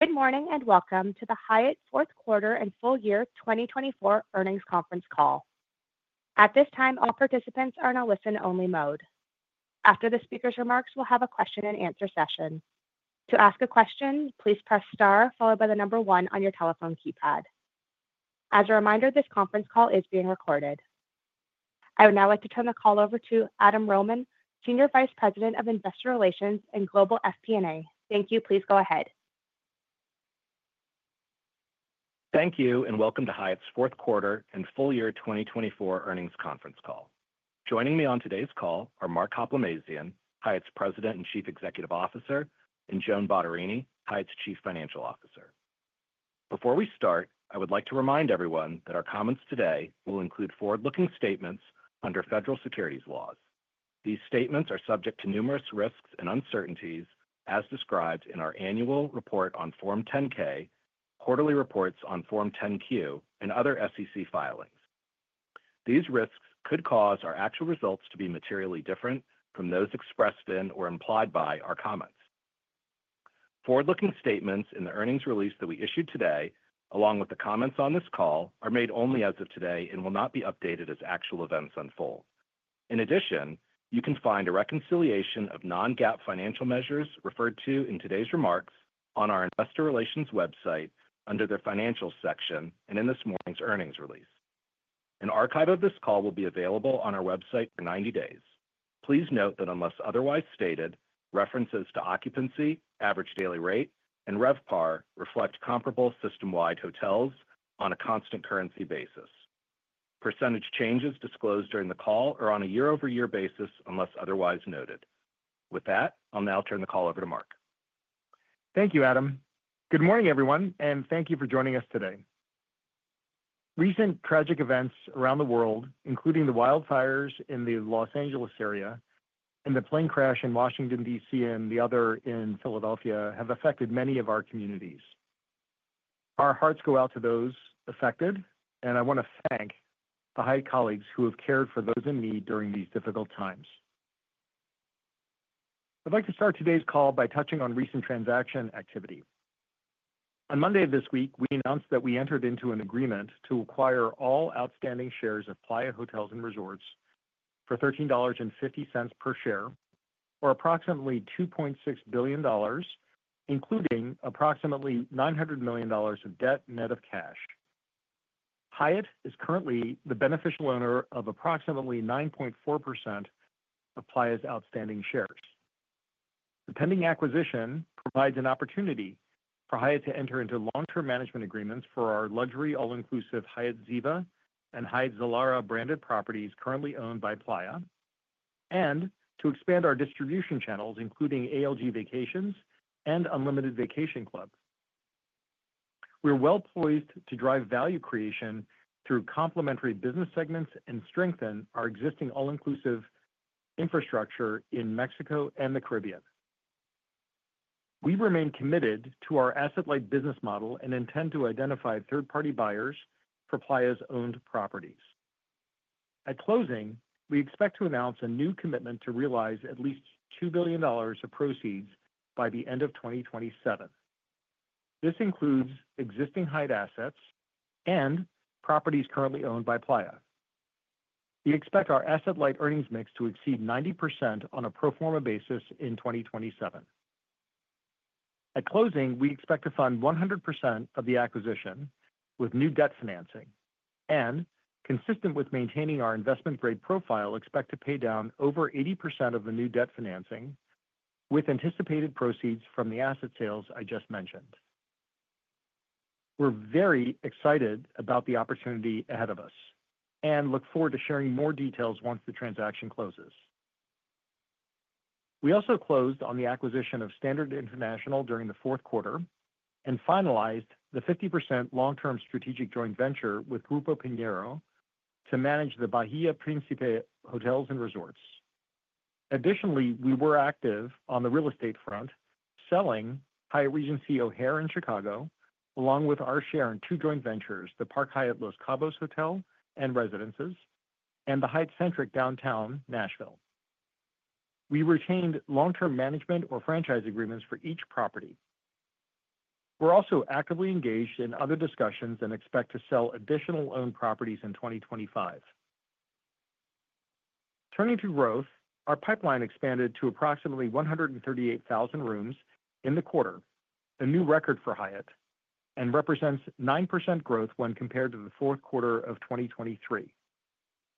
Good morning and welcome to the Hyatt Q4 and Full Year 2024 Earnings Conference Call. At this time, all participants are in a listen-only mode. After the speaker's remarks, we'll have a Q&A session. To ask a question, please press star followed by the number one on your telephone keypad. As a reminder, this conference call is being recorded. I would now like to turn the call over to Adam Rohman, Senior Vice President of Investor Relations and Global FP&A. Thank you. Please go ahead. Thank you and welcome to Hyatt's Q4 and Full Year 2024 Earnings Conference Call. Joining me on today's call are Mark Hoplamazian, Hyatt's President and Chief Executive Officer, and Joan Bottarini, Hyatt's Chief Financial Officer. Before we start, I would like to remind everyone that our comments today will include forward-looking statements under federal securities laws. These statements are subject to numerous risks and uncertainties, as described in our annual report on Form 10-K, quarterly reports on Form 10-Q, and other SEC filings. These risks could cause our actual results to be materially different from those expressed in or implied by our comments. Forward-looking statements in the earnings release that we issued today, along with the comments on this call, are made only as of today and will not be updated as actual events unfold. In addition, you can find a reconciliation of non-GAAP financial measures referred to in today's remarks on our Investor Relations website under the Financials section and in this morning's earnings release. An archive of this call will be available on our website for 90 days. Please note that unless otherwise stated, references to occupancy, average daily rate, and RevPAR reflect comparable system-wide hotels on a constant currency basis. Percentage changes disclosed during the call are on a year-over-year basis unless otherwise noted. With that, I'll now turn the call over to Mark Hoplamazian. Thank you, Adam Rohman. Good morning, everyone, and thank you for joining us today. Recent tragic events around the world, including the wildfires in the Los Angeles area and the plane crash in Washington, D.C., and the other in Philadelphia, have affected many of our communities. Our hearts go out to those affected, and I want to thank the Hyatt colleagues who have cared for those in need during these difficult times. I'd like to start today's call by touching on recent transaction activity. On Monday of this week, we announced that we entered into an agreement to acquire all outstanding shares of Playa Hotels and Resorts for $13.50 per share, or approximately $2.6 billion, including approximately $900 million of debt net of cash. Hyatt is currently the beneficial owner of approximately 9.4% of Playa's outstanding shares. The pending acquisition provides an opportunity for Hyatt to enter into long-term management agreements for our luxury all-inclusive Hyatt Ziva and Hyatt Zilara branded properties currently owned by Playa, and to expand our distribution channels, including ALG Vacations and Unlimited Vacation Club. We're well poised to drive value creation through complementary business segments and strengthen our existing all-inclusive infrastructure in Mexico and the Caribbean. We remain committed to our asset-light business model and intend to identify third-party buyers for Playa's owned properties. At closing, we expect to announce a new commitment to realize at least $2 billion of proceeds by the end of 2027. This includes existing Hyatt assets and properties currently owned by Playa. We expect our asset-light earnings mix to exceed 90% on a pro forma basis in 2027. At closing, we expect to fund 100% of the acquisition with new debt financing, and consistent with maintaining our investment-grade profile, expect to pay down over 80% of the new debt financing with anticipated proceeds from the asset sales I just mentioned. We're very excited about the opportunity ahead of us and look forward to sharing more details once the transaction closes. We also closed on the acquisition of Standard International during the Q4 and finalized the 50% long-term strategic joint venture with Grupo Piñero to manage the Bahía Príncipe Hotels and Resorts. Additionally, we were active on the real estate front, selling Hyatt Regency O'Hare in Chicago, along with our share in two joint ventures, the Park Hyatt Los Cabos Hotel and Residences, and the Hyatt Centric Downtown Nashville. We retained long-term management or franchise agreements for each property. We're also actively engaged in other discussions and expect to sell additional owned properties in 2025. Turning to growth, our pipeline expanded to approximately 138,000 rooms in the quarter, a new record for Hyatt, and represents 9% growth when compared to the Q4 of 2023.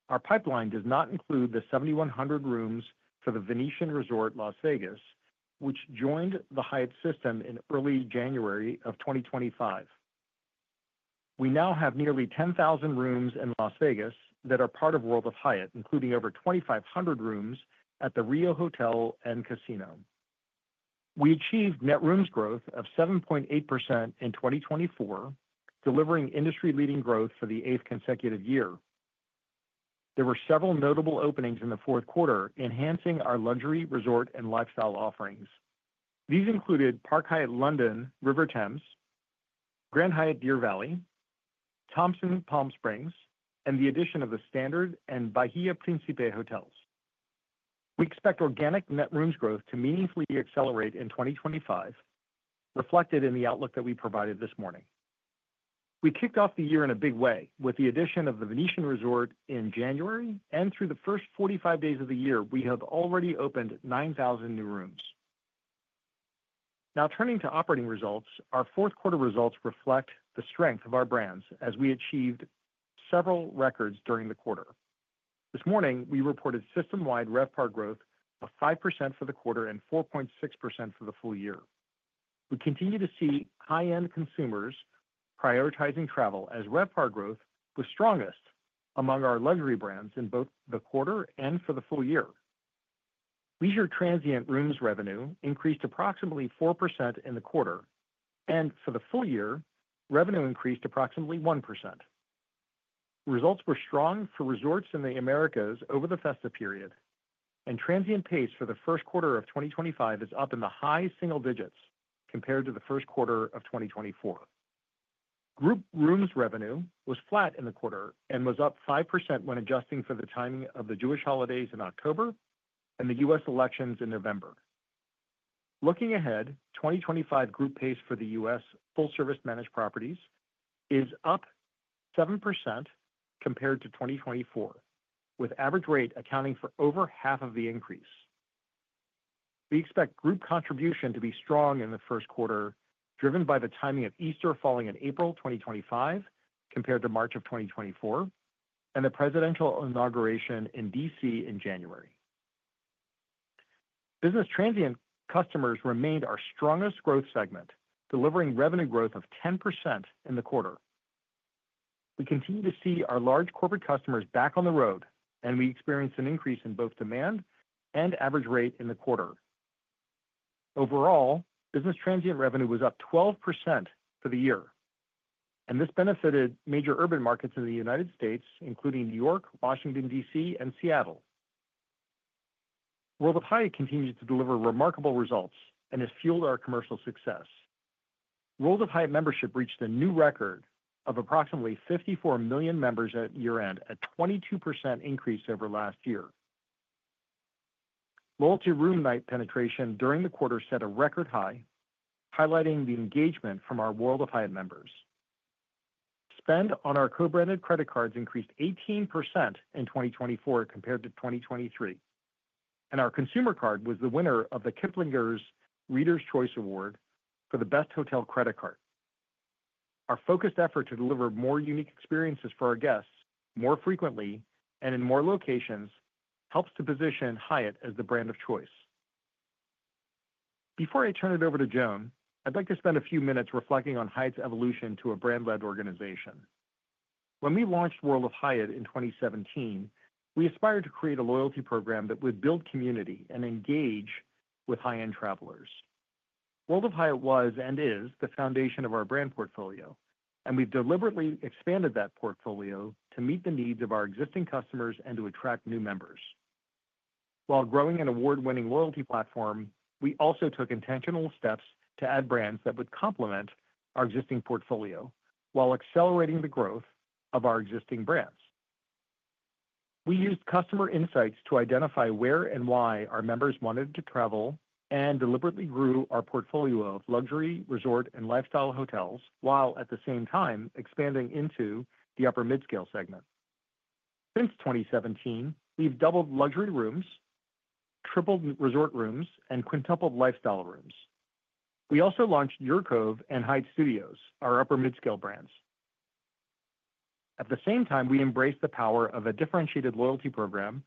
Our pipeline does not include the 7,100 rooms for the Venetian Resort Las Vegas, which joined the Hyatt system in early January of 2025. We now have nearly 10,000 rooms in Las Vegas that are part of World of Hyatt, including over 2,500 rooms at the Rio Hotel and Casino. We achieved net rooms growth of 7.8% in 2024, delivering industry-leading growth for the eighth consecutive year. There were several notable openings in the Q4, enhancing our luxury resort and lifestyle offerings. These included Park Hyatt London River Thames, Grand Hyatt Deer Valley, Thompson Palm Springs, and the addition of The Standard and Bahía Príncipe Hotels. We expect organic net rooms growth to meaningfully accelerate in 2025, reflected in the outlook that we provided this morning. We kicked off the year in a big way with the addition of the Venetian Resort in January, and through the first 45 days of the year, we have already opened 9,000 new rooms. Now, turning to operating results, our Q4 results reflect the strength of our brands as we achieved several records during the quarter. This morning, we reported system-wide RevPAR growth of 5% for the quarter and 4.6% for the full year. We continue to see high-end consumers prioritizing travel as RevPAR growth was strongest among our luxury brands in both the quarter and for the full year. Leisure transient rooms revenue increased approximately 4% in the quarter, and for the full year, revenue increased approximately 1%. Results were strong for resorts in the Americas over the festive period, and transient pace for the Q1 of 2025 is up in the high-single-digits compared to the Q1 of 2024. Group rooms revenue was flat in the quarter and was up 5% when adjusting for the timing of the Jewish holidays in October and the U.S. elections in November. Looking ahead, 2025 group pace for the U.S. full-service managed properties is up 7% compared to 2024, with average rate accounting for over half of the increase. We expect group contribution to be strong in the Q1, driven by the timing of Easter falling in April 2025 compared to March of 2024 and the presidential inauguration in D.C. in January. Business transient customers remained our strongest growth segment, delivering revenue growth of 10% in the quarter. We continue to see our large corporate customers back on the road, and we experienced an increase in both demand and average rate in the quarter. Overall, business transient revenue was up 12% for the year, and this benefited major urban markets in the United States, including New York, Washington, D.C., and Seattle. World of Hyatt continues to deliver remarkable results and has fueled our commercial success. World of Hyatt membership reached a new record of approximately 54 million members at year-end, a 22% increase over last year. Loyalty room night penetration during the quarter set a record high, highlighting the engagement from our World of Hyatt members. Spend on our co-branded credit cards increased 18% in 2024 compared to 2023, and our consumer card was the winner of the Kiplinger's Reader's Choice Award for the best hotel credit card. Our focused effort to deliver more unique experiences for our guests more frequently and in more locations helps to position Hyatt as the brand of choice. Before I turn it over to Joan Bottarini, I'd like to spend a few minutes reflecting on Hyatt's evolution to a brand-led organization. When we launched World of Hyatt in 2017, we aspired to create a loyalty program that would build community and engage with high-end travelers. World of Hyatt was and is the foundation of our brand portfolio, and we've deliberately expanded that portfolio to meet the needs of our existing customers and to attract new members. While growing an award-winning loyalty platform, we also took intentional steps to add brands that would complement our existing portfolio while accelerating the growth of our existing brands. We used customer insights to identify where and why our members wanted to travel and deliberately grew our portfolio of luxury, resort, and lifestyle hotels while at the same time expanding into the upper-mid-scale segment. Since 2017, we've doubled luxury rooms, tripled resort rooms, and quintupled lifestyle rooms. We also launched UrCove and Hyatt Studios, our upper-mid-scale brands. At the same time, we embraced the power of a differentiated loyalty program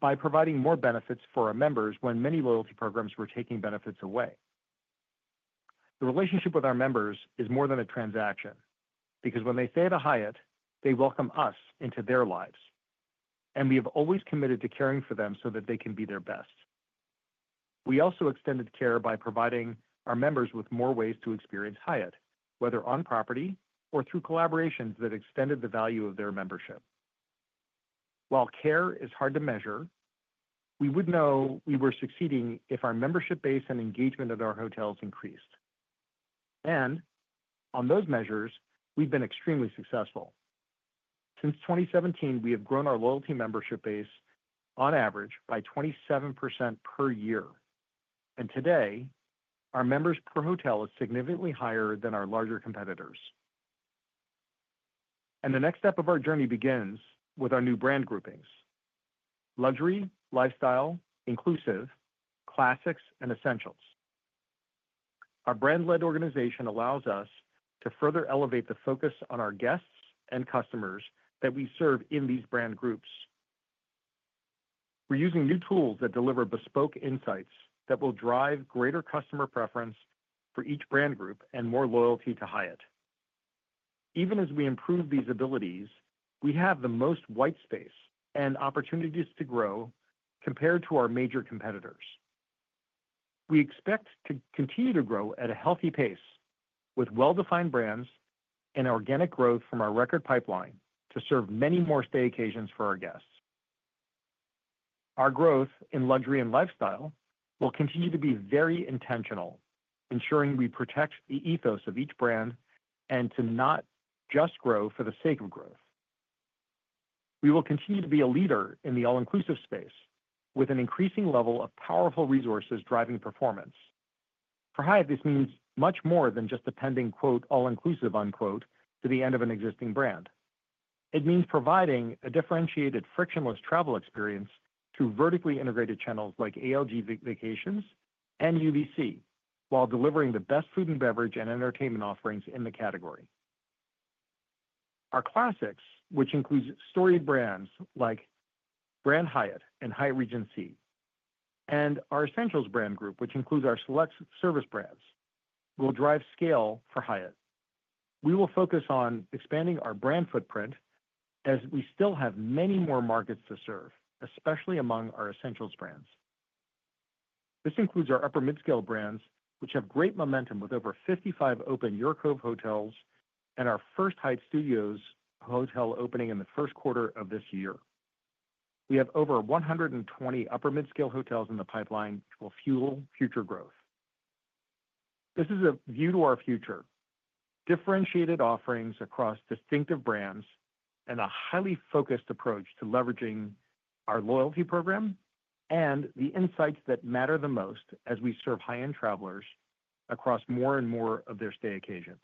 by providing more benefits for our members when many loyalty programs were taking benefits away. The relationship with our members is more than a transaction because when they stay at a Hyatt, they welcome us into their lives, and we have always committed to caring for them so that they can be their best. We also extended care by providing our members with more ways to experience Hyatt, whether on property or through collaborations that extended the value of their membership. While care is hard to measure, we would know we were succeeding if our membership base and engagement at our hotels increased, and on those measures, we've been extremely successful. Since 2017, we have grown our loyalty membership base on average by 27% per year, and today, our members per hotel is significantly higher than our larger competitors, and the next step of our journey begins with our new brand groupings: luxury, lifestyle, inclusive, classics, and essentials. Our brand-led organization allows us to further elevate the focus on our guests and customers that we serve in these brand groups. We're using new tools that deliver bespoke insights that will drive greater customer preference for each brand group and more loyalty to Hyatt. Even as we improve these abilities, we have the most white space and opportunities to grow compared to our major competitors. We expect to continue to grow at a healthy pace with well-defined brands and organic growth from our record pipeline to serve many more stay occasions for our guests. Our growth in luxury and lifestyle will continue to be very intentional, ensuring we protect the ethos of each brand and to not just grow for the sake of growth. We will continue to be a leader in the all-inclusive space with an increasing level of powerful resources driving performance. For Hyatt, this means much more than just appending "all-inclusive" to the end of an existing brand. It means providing a differentiated frictionless travel experience through vertically integrated channels like ALG Vacations and UVC while delivering the best food and beverage and entertainment offerings in the category. Our classics, which includes storied brands like Grand Hyatt and Hyatt Regency, and our essentials brand group, which includes our select service brands, will drive scale for Hyatt. We will focus on expanding our brand footprint as we still have many more markets to serve, especially among our essentials brands. This includes our upper-mid-scale brands, which have great momentum with over 55 open UrCove hotels and our first Hyatt Studios hotel opening in the Q1 of this year. We have over 120 upper-mid-scale hotels in the pipeline which will fuel future growth. This is a view to our future: differentiated offerings across distinctive brands and a highly focused approach to leveraging our loyalty program and the insights that matter the most as we serve high-end travelers across more and more of their stay occasions.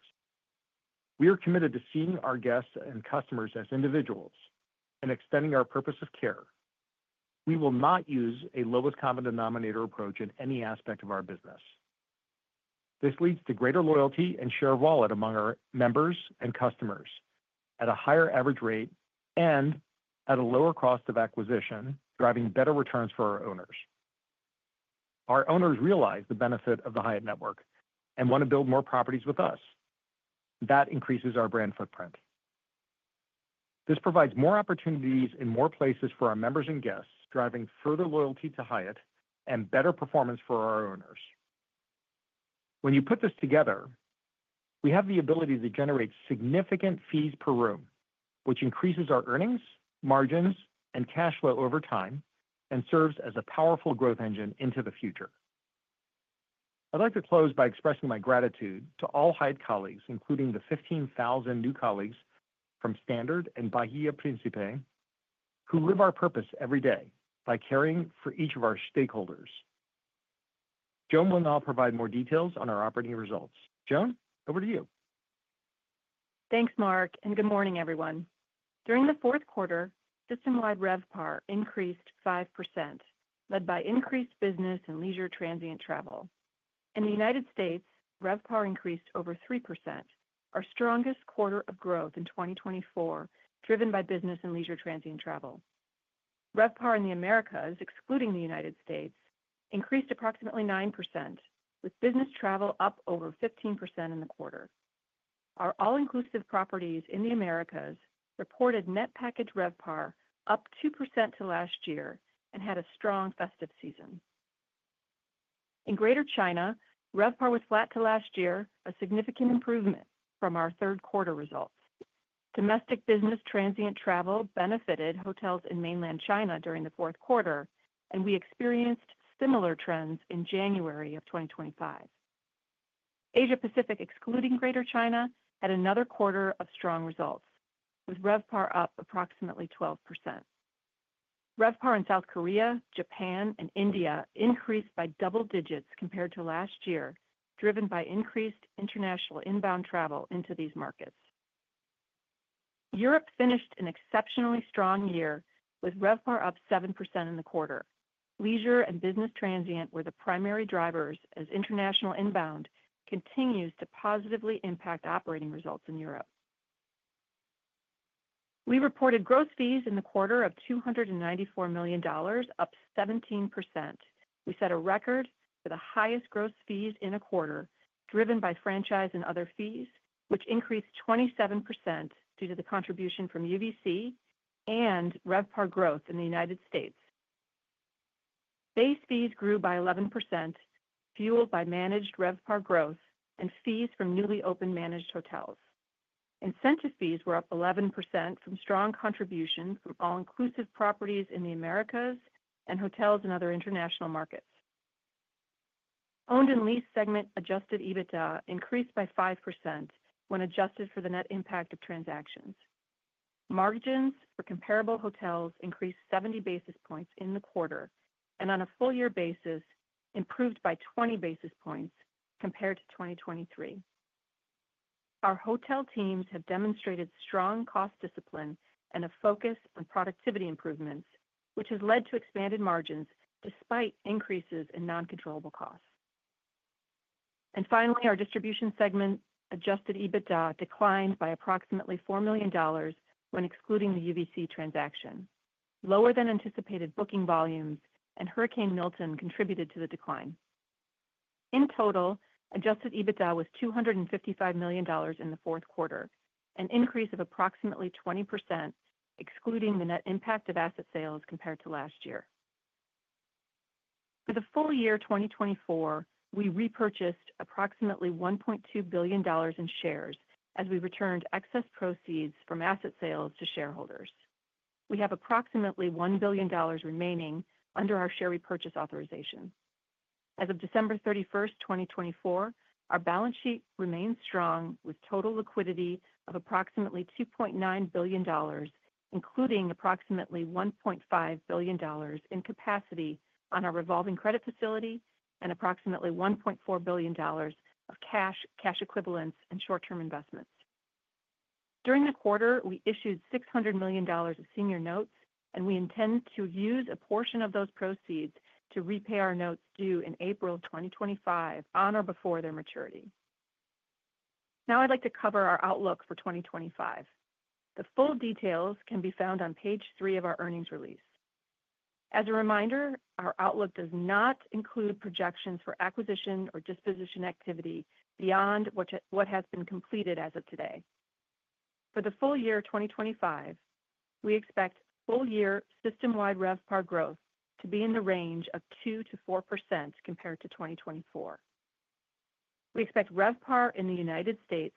We are committed to seeing our guests and customers as individuals and extending our purpose of care. We will not use a lowest common denominator approach in any aspect of our business. This leads to greater loyalty and share of wallet among our members and customers at a higher average rate and at a lower cost of acquisition, driving better returns for our owners. Our owners realize the benefit of the Hyatt network and want to build more properties with us. That increases our brand footprint. This provides more opportunities in more places for our members and guests, driving further loyalty to Hyatt and better performance for our owners. When you put this together, we have the ability to generate significant fees per room, which increases our earnings, margins, and cash flow over time and serves as a powerful growth engine into the future. I'd like to close by expressing my gratitude to all Hyatt colleagues, including the 15,000 new colleagues from Standard and Bahía Príncipe, who live our purpose every day by caring for each of our stakeholders. Joan will now provide more details on our operating results. Joan Bottarini, over to you. Thanks, Mark Hoplomazian, and good morning, everyone. During the Q4, system-wide RevPAR increased 5%, led by increased business and leisure transient travel. In the United States, RevPAR increased over 3%, our strongest quarter of growth in 2024, driven by business and leisure transient travel. RevPAR in the Americas, excluding the United States, increased approximately 9%, with business travel up over 15% in the quarter. Our all-inclusive properties in the Americas reported Net Package RevPAR up 2% to last year and had a strong festive season. In Greater China, RevPAR was flat to last year, a significant improvement from our Q3 results. Domestic business transient travel benefited hotels in mainland China during the Q4, and we experienced similar trends in January of 2025. Asia-Pacific, excluding Greater China, had another quarter of strong results, with RevPAR up approximately 12%. RevPAR in South Korea, Japan, and India increased by double-digits compared to last year, driven by increased international inbound travel into these markets. Europe finished an exceptionally strong year with RevPAR up 7% in the quarter. Leisure and business transient were the primary drivers as international inbound continues to positively impact operating results in Europe. We reported gross fees in the quarter of $294 million, up 17%. We set a record for the highest gross fees in a quarter, driven by franchise and other fees, which increased 27% due to the contribution from UVC and RevPAR growth in the United States. Base fees grew by 11%, fueled by managed RevPAR growth and fees from newly opened managed hotels. Incentive fees were up 11% from strong contributions from all-inclusive properties in the Americas and hotels in other international markets. Owned and leased segment Adjusted EBITDA increased by 5% when adjusted for the net impact of transactions. Margins for comparable hotels increased 70 basis points in the quarter and on a full-year basis, improved by 20 basis points compared to 2023. Our hotel teams have demonstrated strong cost discipline and a focus on productivity improvements, which has led to expanded margins despite increases in non-controllable costs. And finally, our distribution segment Adjusted EBITDA declined by approximately $4 million when excluding the UVC transaction. Lower than anticipated booking volumes and Hurricane Milton contributed to the decline. In total, Adjusted EBITDA was $255 million in the Q4, an increase of approximately 20% excluding the net impact of asset sales compared to last year. For the full year 2024, we repurchased approximately $1.2 billion in shares as we returned excess proceeds from asset sales to shareholders. We have approximately $1 billion remaining under our share repurchase authorization. As of December 31st, 2024, our balance sheet remains strong with total liquidity of approximately $2.9 billion, including approximately $1.5 billion in capacity on our revolving credit facility and approximately $1.4 billion of cash, cash equivalents, and short-term investments. During the quarter, we issued $600 million of senior notes, and we intend to use a portion of those proceeds to repay our notes due in April 2025 on or before their maturity. Now I'd like to cover our outlook for 2025. The full details can be found on page three of our earnings release. As a reminder, our outlook does not include projections for acquisition or disposition activity beyond what has been completed as of today. For the full year 2025, we expect full-year system-wide RevPAR growth to be in the range of 2%-4% compared to 2024. We expect RevPAR in the United States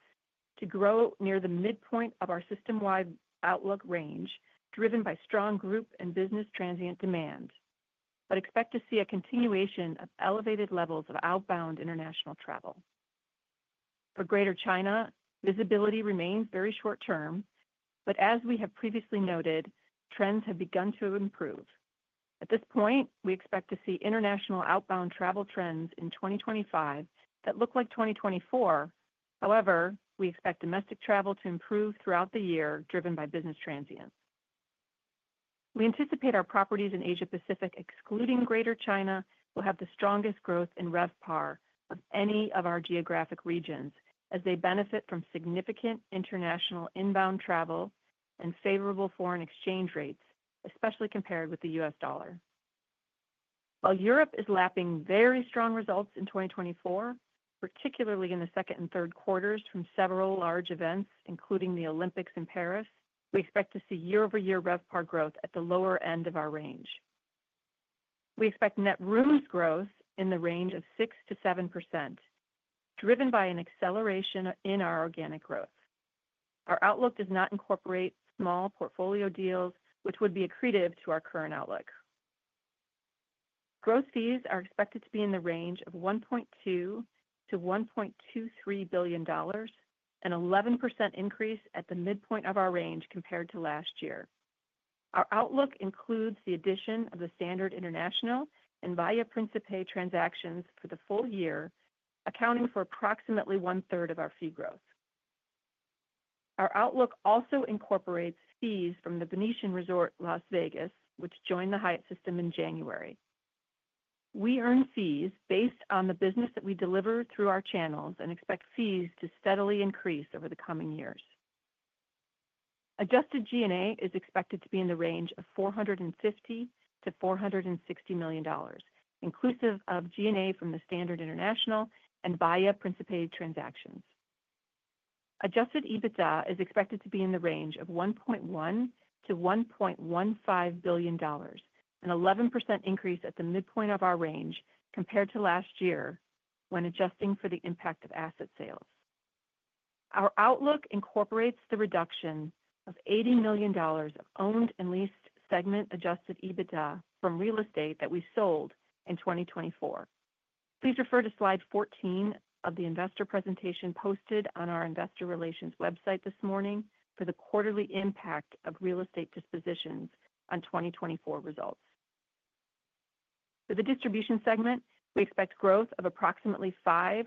to grow near the mid-point of our system-wide outlook range, driven by strong group and business transient demand, but expect to see a continuation of elevated levels of outbound international travel. For Greater China, visibility remains very short-term, but as we have previously noted, trends have begun to improve. At this point, we expect to see international outbound travel trends in 2025 that look like 2024. However, we expect domestic travel to improve throughout the year, driven by business transient. We anticipate our properties in Asia-Pacific, excluding Greater China, will have the strongest growth in RevPAR of any of our geographic regions as they benefit from significant international inbound travel and favorable foreign exchange rates, especially compared with the U.S. dollar. While Europe is lapping very strong results in 2024, particularly in the second and Q3s from several large events, including the Olympics in Paris, we expect to see year-over-year RevPAR growth at the lower end of our range. We expect net rooms growth in the range of 6%-7%, driven by an acceleration in our organic growth. Our outlook does not incorporate small portfolio deals, which would be accretive to our current outlook. Gross fees are expected to be in the range of $1.2-$1.23 billion, an 11% increase at the mid-point of our range compared to last year. Our outlook includes the addition of the Standard International and Bahía Príncipe transactions for the full year, accounting for approximately 1/3 of our fee growth. Our outlook also incorporates fees from the Venetian Resort Las Vegas, which joined the Hyatt system in January. We earn fees based on the business that we deliver through our channels and expect fees to steadily increase over the coming years. Adjusted G&A is expected to be in the range of $450-$460 million, inclusive of G&A from the Standard International and Bahía Príncipe transactions. Adjusted EBITDA is expected to be in the range of $1.1-$1.15 billion, an 11% increase at the mid-point of our range compared to last year when adjusting for the impact of asset sales. Our outlook incorporates the reduction of $80 million of owned and leased segment Adjusted EBITDA from real estate that we sold in 2024. Please refer to slide 14 of the investor presentation posted on our investor relations website this morning for the quarterly impact of real estate dispositions on 2024 results. For the distribution segment, we expect growth of approximately $5-$10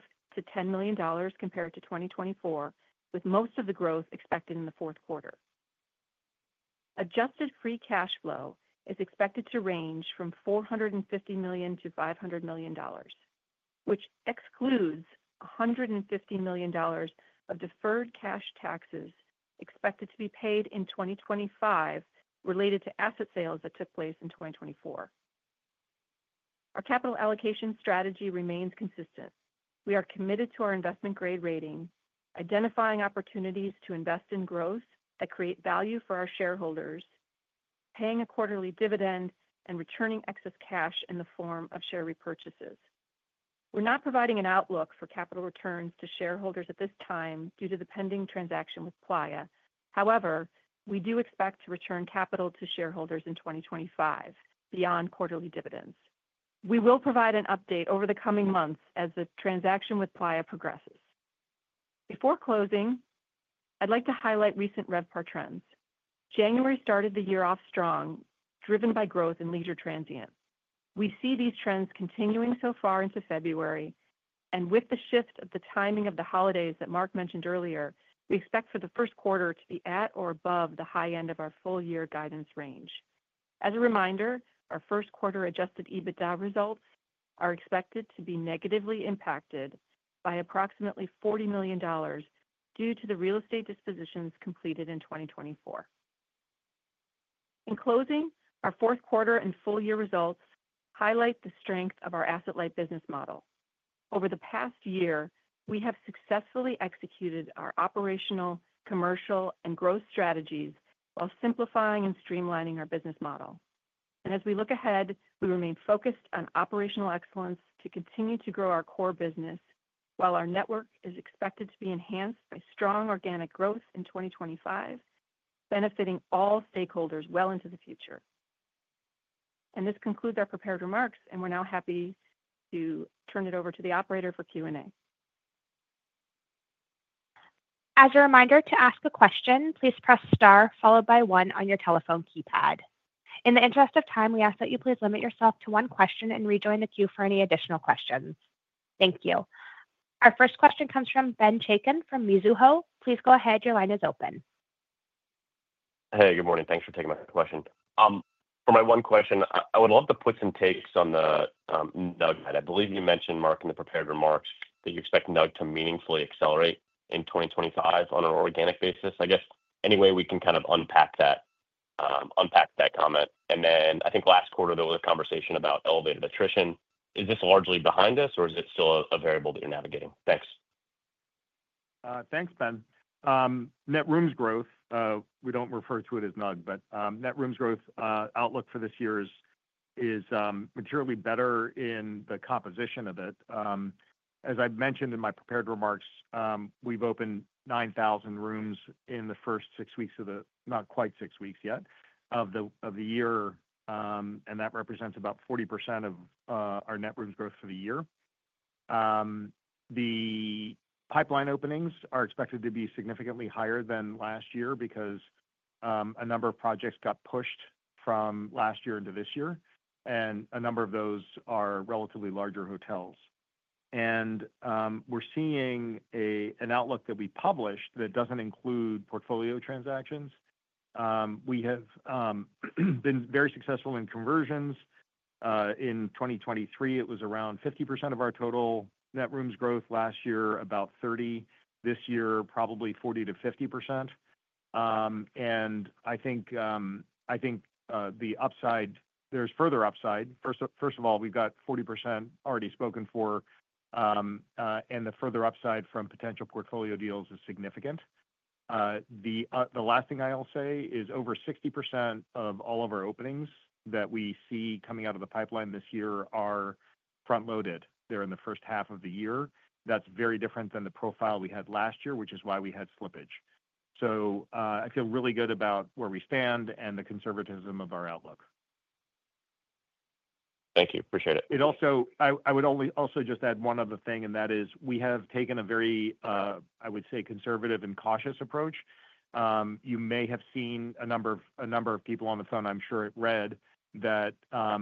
million compared to 2024, with most of the growth expected in the Q4. Adjusted Free Cash Flow is expected to range from $450-$500 million, which excludes $150 million of deferred cash taxes expected to be paid in 2025 related to asset sales that took place in 2024. Our capital allocation strategy remains consistent. We are committed to our investment-grade rating, identifying opportunities to invest in growth that create value for our shareholders, paying a quarterly dividend, and returning excess cash in the form of share repurchases. We're not providing an outlook for capital returns to shareholders at this time due to the pending transaction with Playa. However, we do expect to return capital to shareholders in 2025 beyond quarterly dividends. We will provide an update over the coming months as the transaction with Playa progresses. Before closing, I'd like to highlight recent RevPAR trends. January started the year off strong, driven by growth in leisure transient. We see these trends continuing so far into February, and with the shift of the timing of the holidays that Mark Hoplomazian mentioned earlier, we expect for the Q1 to be at or above the high end of our full-year guidance range. As a reminder, our Q1 Adjusted EBITDA results are expected to be negatively impacted by approximately $40 million due to the real estate dispositions completed in 2024. In closing, our Q4 and full-year results highlight the strength of our Asset-Light business model. Over the past year, we have successfully executed our operational, commercial, and growth strategies while simplifying and streamlining our business model. As we look ahead, we remain focused on operational excellence to continue to grow our core business while our network is expected to be enhanced by strong organic growth in 2025, benefiting all stakeholders well into the future. This concludes our prepared remarks, and we're now happy to turn it over to the operator for Q&A. As a reminder, to ask a question, please press star followed by one on your telephone keypad. In the interest of time, we ask that you please limit yourself to one question and rejoin the queue for any additional questions. Thank you. Our first question comes from Ben Chaiken from Mizuho. Please go ahead. Your line is open. Hey, good morning. Thanks for taking my question. For my one question, I would love to put some takes on the NUG. I believe you mentioned, Mark Hoplomazian, in the prepared remarks that you expect NUG to meaningfully accelerate in 2025 on an organic basis. I guess any way we can kind of unpack that comment? And then I think last quarter, there was a conversation about elevated attrition. Is this largely behind us, or is it still a variable that you're navigating? Thanks. Thanks, Ben Chaiken. Net rooms growth, we don't refer to it as NUG, but net rooms growth outlook for this year is materially better in the composition of it. As I mentioned in my prepared remarks, we've opened 9,000 rooms in the first six weeks of the—not quite six weeks yet—of the year, and that represents about 40% of our net rooms growth for the year. The pipeline openings are expected to be significantly higher than last year because a number of projects got pushed from last year into this year, and a number of those are relatively larger hotels. And we're seeing an outlook that we published that doesn't include portfolio transactions. We have been very successful in conversions. In 2023, it was around 50% of our total net rooms growth last year, about 30%. This year, probably 40%-50%. And I think the upside, there's further upside. First of all, we've got 40% already spoken for, and the further upside from potential portfolio deals is significant. The last thing I'll say is over 60% of all of our openings that we see coming out of the pipeline this year are front-loaded there in the first half of the year. That's very different than the profile we had last year, which is why we had slippage, so I feel really good about where we stand and the conservatism of our outlook. Thank you. Appreciate it. I would also just add one other thing, and that is we have taken a very, I would say, conservative and cautious approach. You may have seen a number of people on the phone. I'm sure it read that an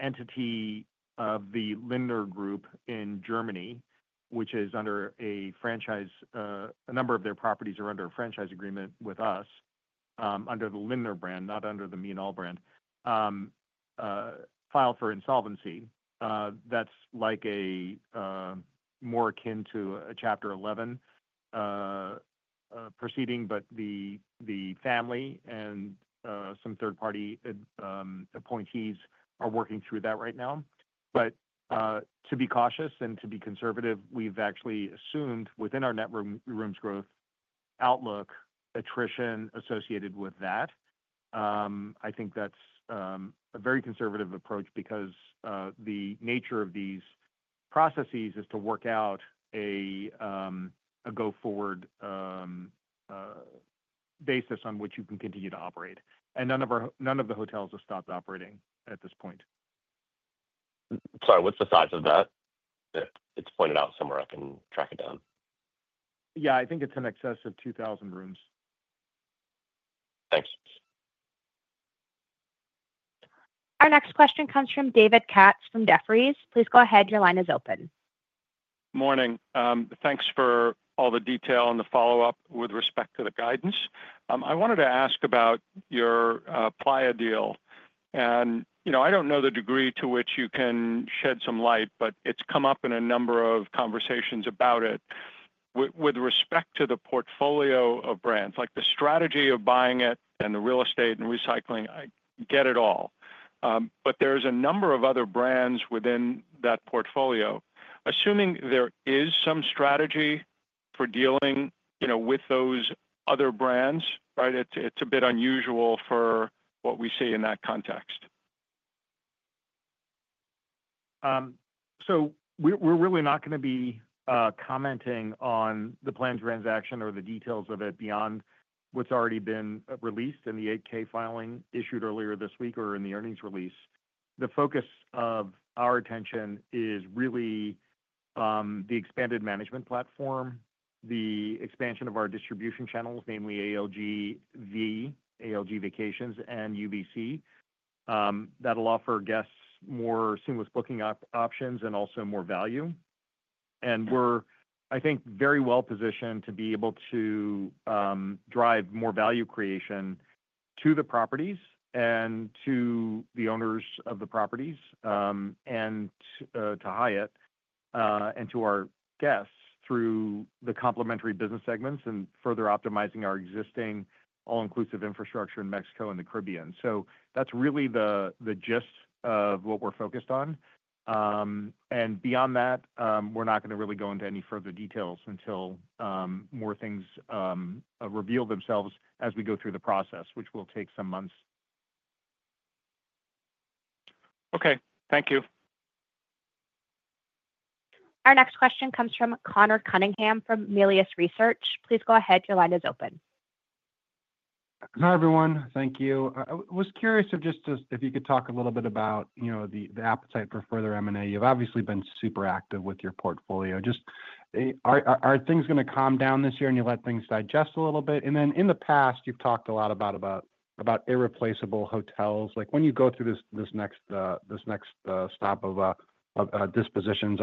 entity of the Lindner Hotel Group in Germany, which is under a franchise, a number of their properties are under a franchise agreement with us under the Lindner brand, not under the me and all brand, filed for insolvency. That's like, more akin to a Chapter 11 proceeding, but the family and some third-party appointees are working through that right now. But to be cautious and to be conservative, we've actually assumed within our net rooms growth outlook attrition associated with that. I think that's a very conservative approach because the nature of these processes is to work out a go-forward basis on which you can continue to operate. And none of the hotels have stopped operating at this point. Sorry, what's the size of that? It's pointed out somewhere. I can track it down. Yeah, I think it's in excess of 2,000 rooms. Thanks. Our next question comes from David Katz from Jefferies. Please go ahead. Your line is open. Morning. Thanks for all the detail and the follow-up with respect to the guidance. I wanted to ask about your Playa deal. And I don't know the degree to which you can shed some light, but it's come up in a number of conversations about it. With respect to the portfolio of brands, like the strategy of buying it and the real estate and recycling, I get it all. But there's a number of other brands within that portfolio. Assuming there is some strategy for dealing with those other brands, right, it's a bit unusual for what we see in that context. So we're really not going to be commenting on the planned transaction or the details of it beyond what's already been released in the 8K filing issued earlier this week or in the earnings release. The focus of our attention is really the expanded management platform, the expansion of our distribution channels, namely ALGV, ALG Vacations, and UVC. That'll offer guests more seamless booking options and also more value. And we're, I think, very well positioned to be able to drive more value creation to the properties and to the owners of the properties and to Hyatt and to our guests through the complementary business segments and further optimizing our existing all-inclusive infrastructure in Mexico and the Caribbean. So that's really the gist of what we're focused on. And beyond that, we're not going to really go into any further details until more things reveal themselves as we go through the process, which will take some months. Okay. Thank you. Our next question comes from Conor Cunningham from Melius Research. Please go ahead. Your line is open. Hi, everyone. Thank you. I was curious if you could talk a little bit about the appetite for further M&A. You've obviously been super active with your portfolio. Are things going to calm down this year and you'll let things digest a little bit? And then in the past, you've talked a lot about irreplaceable hotels. When you go through this next stop of dispositions,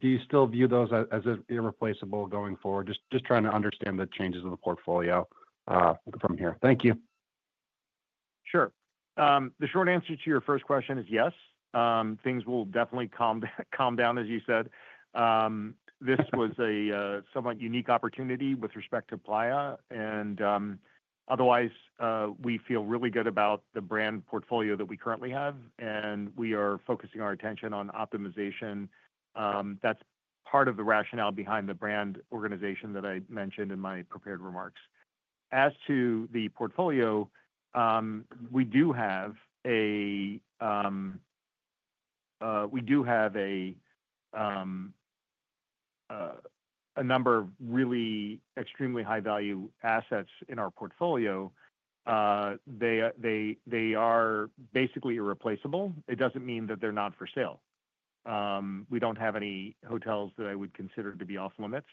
do you still view those as irreplaceable going forward? Just trying to understand the changes in the portfolio from here. Thank you. Sure. The short answer to your first question is yes. Things will definitely calm down, as you said. This was a somewhat unique opportunity with respect to Playa. And otherwise, we feel really good about the brand portfolio that we currently have, and we are focusing our attention on optimization. That's part of the rationale behind the brand organization that I mentioned in my prepared remarks. As to the portfolio, we do have a number of really extremely high-value assets in our portfolio. They are basically irreplaceable. It doesn't mean that they're not for sale. We don't have any hotels that I would consider to be off-limits.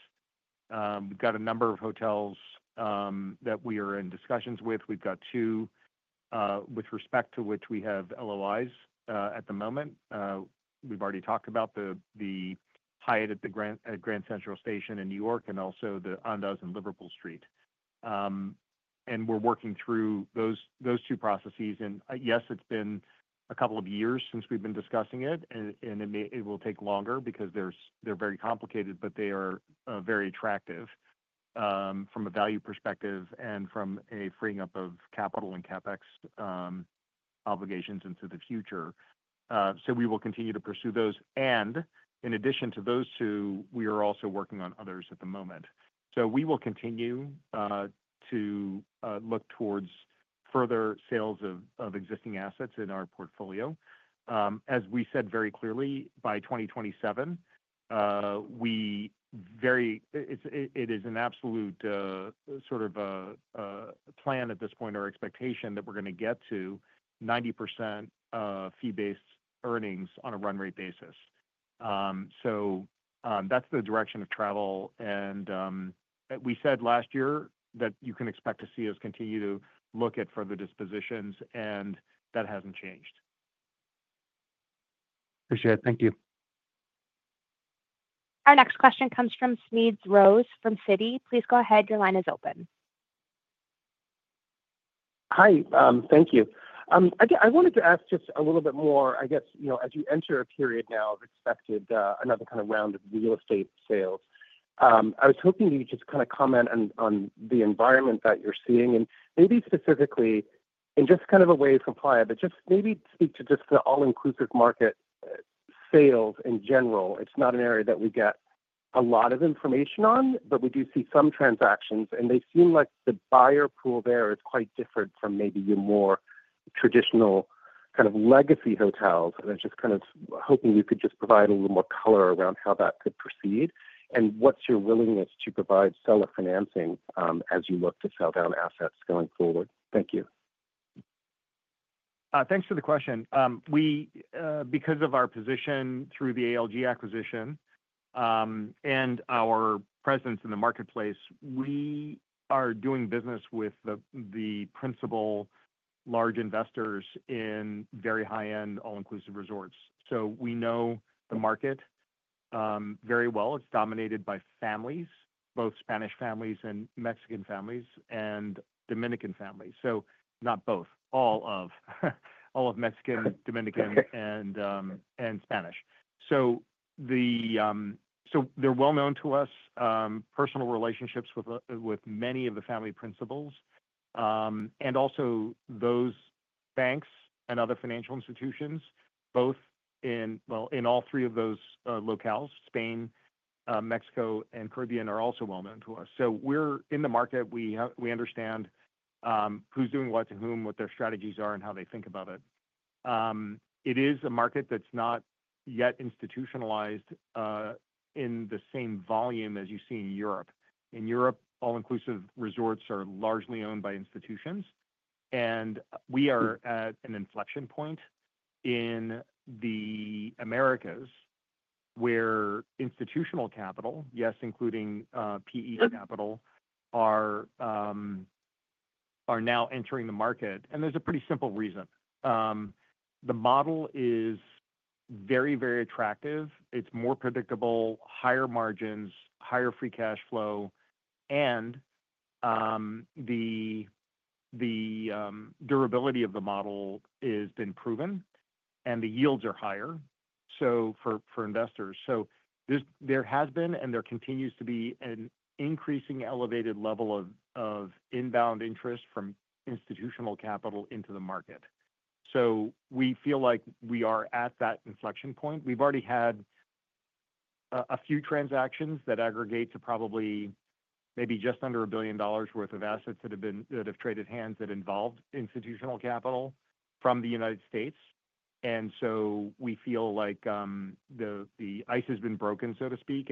We've got a number of hotels that we are in discussions with. We've got two with respect to which we have LOIs at the moment. We've already talked about the Hyatt at Grand Central Station in New York and also the Andaz Liverpool Street. We're working through those two processes. Yes, it's been a couple of years since we've been discussing it, and it will take longer because they're very complicated, but they are very attractive from a value perspective and from a freeing up of capital and CapEx obligations into the future. We will continue to pursue those. In addition to those two, we are also working on others at the moment. So we will continue to look towards further sales of existing assets in our portfolio. As we said very clearly, by 2027, it is an absolute sort of plan at this point or expectation that we're going to get to 90% fee-based earnings on a run rate basis. So that's the direction of travel. And we said last year that you can expect to see us continue to look at further dispositions, and that hasn't changed. Appreciate it. Thank you. Our next question comes from Smedes Rose from Citi. Please go ahead. Your line is open. Hi. Thank you. I wanted to ask just a little bit more, I guess, as you enter a period now of expected another kind of round of real estate sales. I was hoping you could just kind of comment on the environment that you're seeing and maybe specifically in just kind of a way from Playa, but just maybe speak to just the all-inclusive market sales in general. It's not an area that we get a lot of information on, but we do see some transactions, and they seem like the buyer pool there is quite different from maybe your more traditional kind of legacy hotels, and I was just kind of hoping you could just provide a little more color around how that could proceed and what's your willingness to provide seller financing as you look to sell down assets going forward. Thank you. Thanks for the question. Because of our position through the ALG acquisition and our presence in the marketplace, we are doing business with the principal large investors in very high-end all-inclusive resorts. So we know the market very well. It's dominated by families, both Spanish families and Mexican families and Dominican families. So not both, all of Mexican, Dominican, and Spanish. So they're well known to us, personal relationships with many of the family principals. And also those banks and other financial institutions, both in all three of those locales, Spain, Mexico, and Caribbean, are also well known to us. So we're in the market. We understand who's doing what to whom, what their strategies are, and how they think about it. It is a market that's not yet institutionalized in the same volume as you see in Europe. In Europe, all-inclusive resorts are largely owned by institutions. And we are at an inflection point in the Americas where institutional capital, yes, including PE capital, are now entering the market. And there's a pretty simple reason. The model is very, very attractive. It's more predictable, higher margins, higher free cash flow, and the durability of the model has been proven, and the yields are higher for investors. So there has been and there continues to be an increasing elevated level of inbound interest from institutional capital into the market. So we feel like we are at that inflection point. We've already had a few transactions that aggregate to probably maybe just under $1 billion worth of assets that have traded hands that involved institutional capital from the United States. And so we feel like the ice has been broken, so to speak,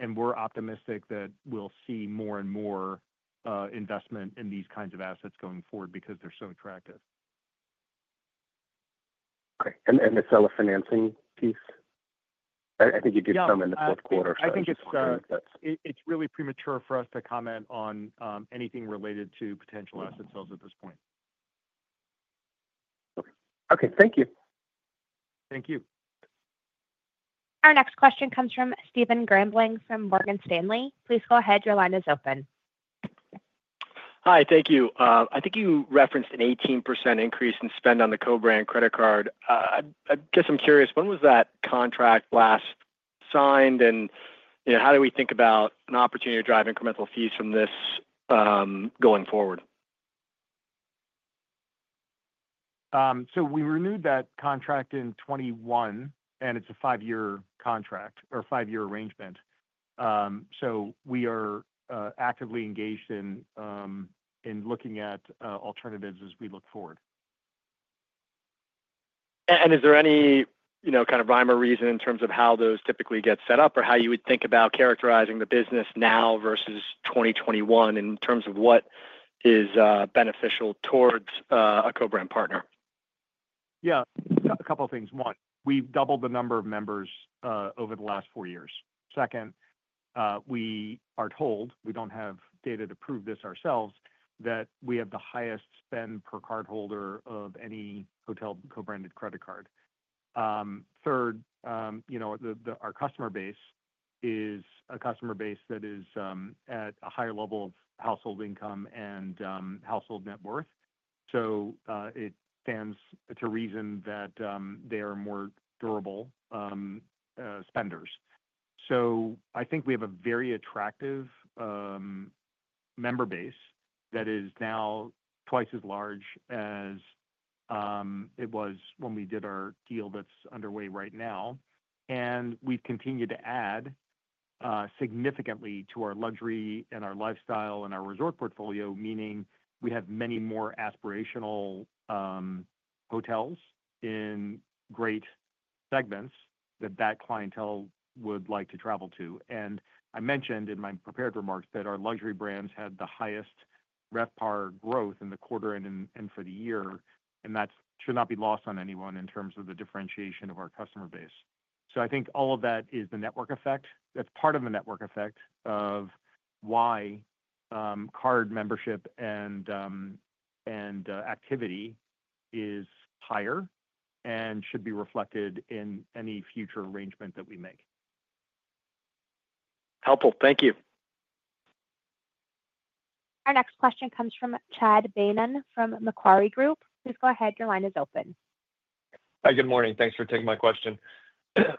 and we're optimistic that we'll see more and more investment in these kinds of assets going forward because they're so attractive. Okay. And the seller financing piece? I think you did come in the Q4 or something. I think it's really premature for us to comment on anything related to potential asset sales at this point. Okay. Thank you. Thank you. Our next question comes from Stephen Grambling from Morgan Stanley. Please go ahead. Your line is open. Hi. Thank you. I think you referenced an 18% increase in spend on the co-brand credit card. I guess I'm curious, when was that contract last signed, and how do we think about an opportunity to drive incremental fees from this going forward? So we renewed that contract in 2021, and it's a five-year contract or five-year arrangement. So we are actively engaged in looking at alternatives as we look forward. Is there any kind of rhyme or reason in terms of how those typically get set up or how you would think about characterizing the business now versus 2021 in terms of what is beneficial towards a co-branded partner? Yeah. A couple of things. One, we've doubled the number of members over the last four years. Second, we are told, we don't have data to prove this ourselves, that we have the highest spend per cardholder of any hotel co-branded credit card. Third, our customer base is a customer base that is at a higher level of household income and household net worth. So it stands to reason that they are more durable spenders. So I think we have a very attractive member base that is now twice as large as it was when we did our deal that's underway right now. We've continued to add significantly to our luxury and our lifestyle and our resort portfolio, meaning we have many more aspirational hotels in great segments that clientele would like to travel to. I mentioned in my prepared remarks that our luxury brands had the highest RevPAR growth in the quarter and for the year, and that should not be lost on anyone in terms of the differentiation of our customer base. So I think all of that is the network effect. That's part of the network effect of why card membership and activity is higher and should be reflected in any future arrangement that we make. Helpful. Thank you. Our next question comes from Chad Beynon from Macquarie Group. Please go ahead. Your line is open. Hi. Good morning. Thanks for taking my question.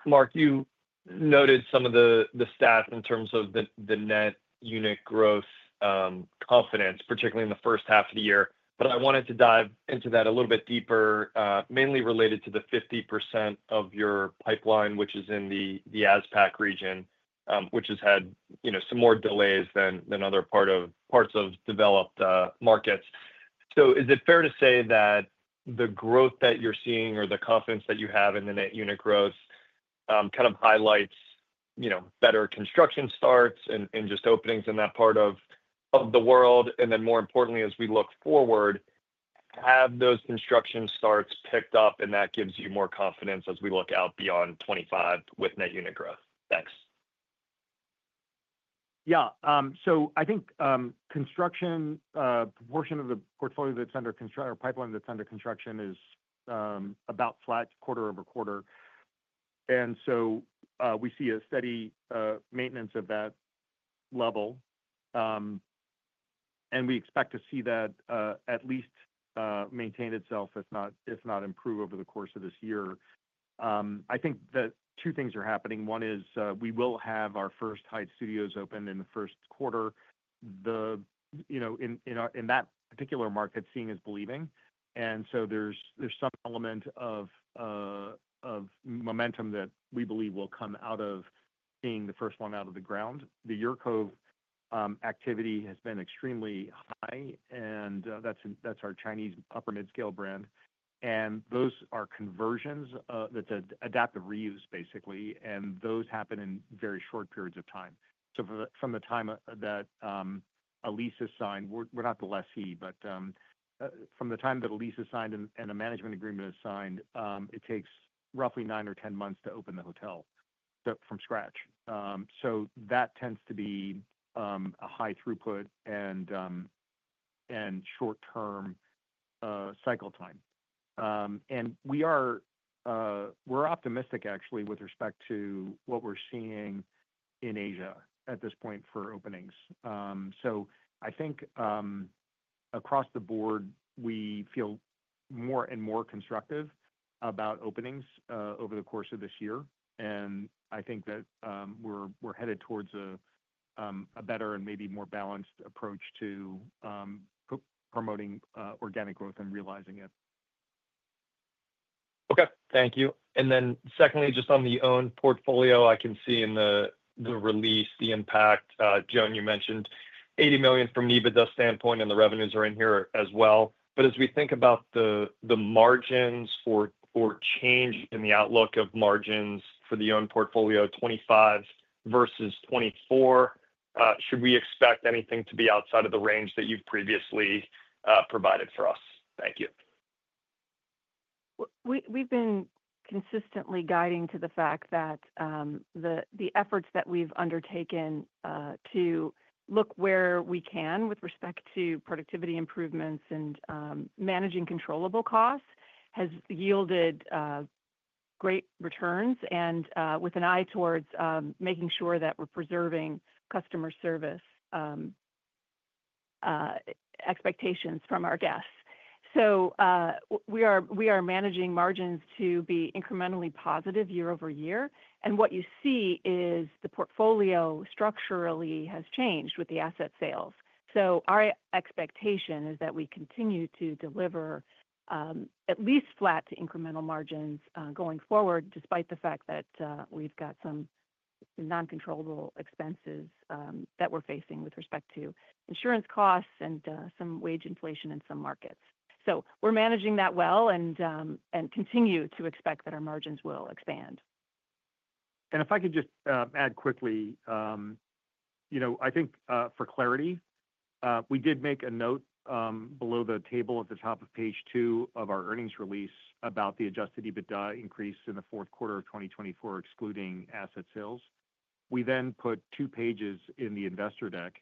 Mark Hoplamazian, you noted some of the stats in terms of the net unit growth confidence, particularly in the first half of the year. But I wanted to dive into that a little bit deeper, mainly related to the 50% of your pipeline, which is in the ASPAC region, which has had some more delays than other parts of developed markets. So is it fair to say that the growth that you're seeing or the confidence that you have in the net unit growth kind of highlights better construction starts and just openings in that part of the world? And then more importantly, as we look forward, have those construction starts picked up, and that gives you more confidence as we look out beyond 2025 with net unit growth? Thanks. Yeah. So, I think construction portion of the portfolio that's under construction or pipeline that's under construction is about flat quarter over quarter. And so we see a steady maintenance of that level. And we expect to see that at least maintain itself, if not improve over the course of this year. I think that two things are happening. One is we will have our first Hyatt Studios open in the Q1. In that particular market, seeing is believing. And so there's some element of momentum that we believe will come out of being the first one out of the ground. The UrCove activity has been extremely high, and that's our Chinese upper-mid-scale brand. And those are conversions that's adaptive reuse, basically. And those happen in very short periods of time. From the time that Alila signed, we're not the lessee, but from the time that Alila signed and a management agreement is signed, it takes roughly nine or ten months to open the hotel from scratch. So that tends to be a high throughput and short-term cycle time. And we're optimistic, actually, with respect to what we're seeing in Asia at this point for openings. So I think across the board, we feel more and more constructive about openings over the course of this year. And I think that we're headed towards a better and maybe more balanced approach to promoting organic growth and realizing it. Okay. Thank you. And then secondly, just on the owned portfolio, I can see in the release the impact. Joan Bottarini, you mentioned $80 million from EBITDA's stand-point, and the revenues are in here as well. As we think about the margins for change in the outlook of margins for the own portfolio, 2025 versus 2024, should we expect anything to be outside of the range that you've previously provided for us? Thank you. We've been consistently guiding to the fact that the efforts that we've undertaken to look where we can with respect to productivity improvements and managing controllable costs has yielded great returns and with an eye towards making sure that we're preserving customer service expectations from our guests, so we are managing margins to be incrementally positive year-over-year, and what you see is the portfolio structurally has changed with the asset sales. So our expectation is that we continue to deliver at least flat to incremental margins going forward, despite the fact that we've got some non-controllable expenses that we're facing with respect to insurance costs and some wage inflation in some markets. So we're managing that well and continue to expect that our margins will expand. And if I could just add quickly, I think for clarity, we did make a note below the table at the top of page two of our earnings release about the Adjusted EBITDA increase in the Q4 of 2024, excluding asset sales. We then put two pages in the investor deck,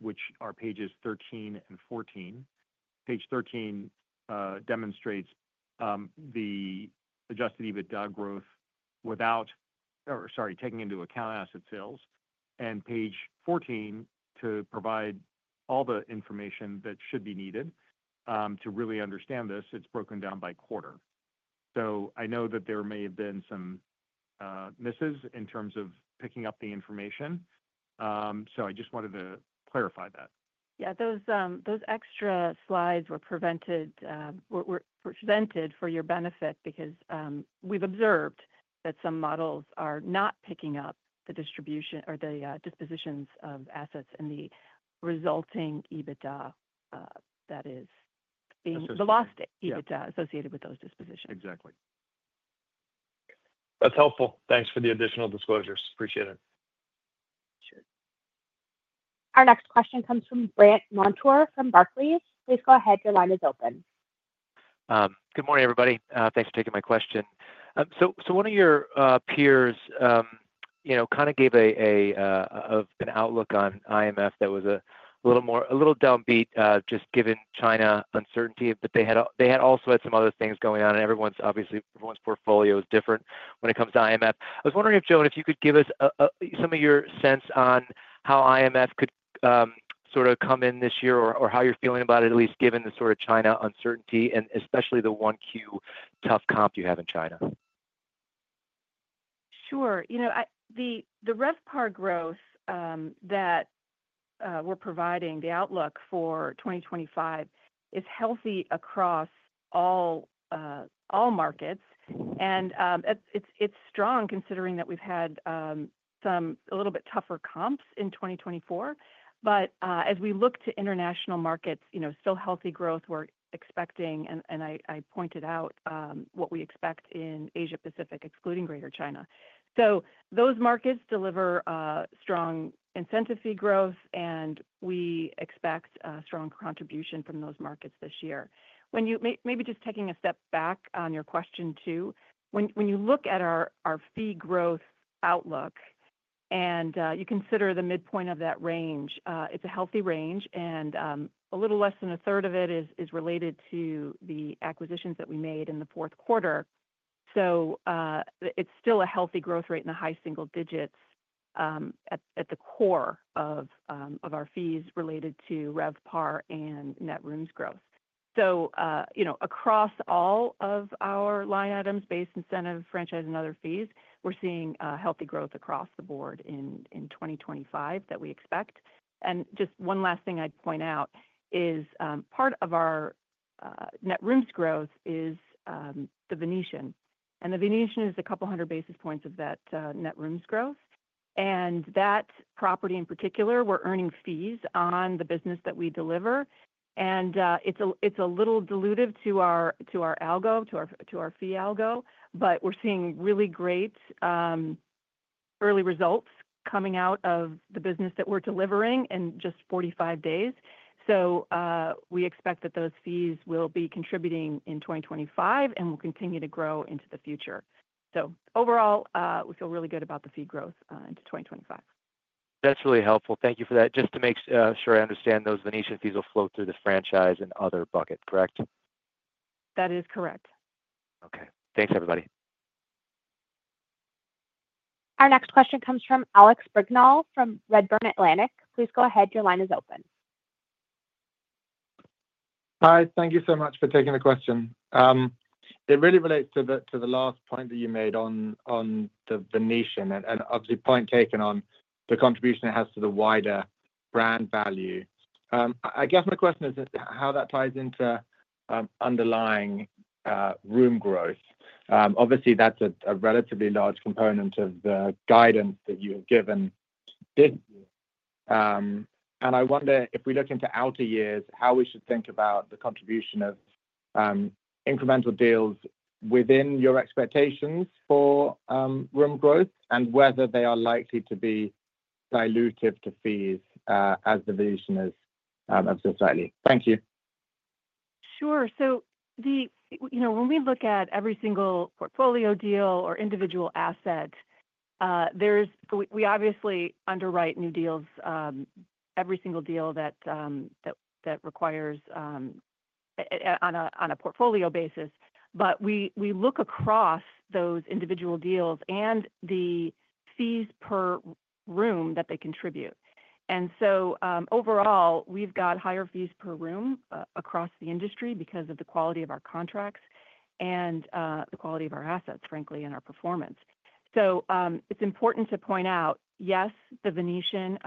which are pages 13 and 14. Page 13 demonstrates the Adjusted EBITDA growth without, sorry, taking into account asset sales. And page 14, to provide all the information that should be needed to really understand this, it's broken down by quarter. So I know that there may have been some misses in terms of picking up the information. So I just wanted to clarify that. Yeah. Those extra slides were presented for your benefit because we've observed that some models are not picking up the distribution or the dispositions of assets and the resulting EBITDA that is being the lost EBITDA associated with those dispositions. Exactly. That's helpful. Thanks for the additional disclosures. Appreciate it. Sure. Our next question comes from Brandt Montour from Barclays. Please go ahead. Your line is open. Good morning, everybody. Thanks for taking my question. So one of your peers kind of gave an outlook on IMF that was a little downbeat just given China uncertainty, but they had also had some other things going on. And obviously, everyone's portfolio is different when it comes to IMF. I was wondering if, Joan Bottarini, if you could give us some of your sense on how incentive fees could sort of come in this year or how you're feeling about it, at least given the sort of China uncertainty and especially the Q1 tough comp you have in China. Sure. The RevPAR growth that we're providing, the outlook for 2025, is healthy across all markets. And it's strong considering that we've had some a little bit tougher comps in 2024. But as we look to international markets, still healthy growth. We're expecting, and I pointed out what we expect in Asia-Pacific, excluding Greater China, so those markets deliver strong incentive fee growth, and we expect strong contribution from those markets this year. Maybe just taking a step back on your question too, when you look at our fee growth outlook and you consider the mid-point of that range, it's a healthy range, and a little less than a third of it is related to the acquisitions that we made in the Q4. So it's still a healthy growth rate in the high single digits at the core of our fees related to RevPAR and net rooms growth. So across all of our line items, base incentive, franchise, and other fees, we're seeing healthy growth across the board in 2025 that we expect. And just one last thing I'd point out is part of our net rooms growth is the Venetian. And the Venetian is a couple hundred basis points of that net rooms growth. And that property in particular, we're earning fees on the business that we deliver. And it's a little dilutive to our algo, to our fee algo, but we're seeing really great early results coming out of the business that we're delivering in just 45 days. So we expect that those fees will be contributing in 2025 and will continue to grow into the future. So overall, we feel really good about the fee growth into 2025. That's really helpful. Thank you for that. Just to make sure I understand, those Venetian fees will flow through the franchise and other bucket, correct? That is correct. Okay. Thanks, everybody. Our next question comes from Alex Brignall from Redburn Atlantic. Please go ahead. Your line is open. Hi. Thank you so much for taking the question. It really relates to the last point that you made on the Venetian and obviously point taken on the contribution it has to the wider brand value. I guess my question is how that ties into underlying room growth. Obviously, that's a relatively large component of the guidance that you have given this year. And I wonder if we look into outer years, how we should think about the contribution of incremental deals within your expectations for room growth and whether they are likely to be dilutive to fees as the Venetian has up so slightly. Thank you. Sure. So when we look at every single portfolio deal or individual asset, we obviously underwrite new deals, every single deal that requires on a portfolio basis. But we look across those individual deals and the fees per room that they contribute. And so overall, we've got higher fees per room across the industry because of the quality of our contracts and the quality of our assets, frankly, and our performance. It's important to point out, yes, the Venetian